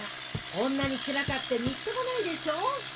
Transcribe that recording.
こんなに散らかってみっともないでしょ。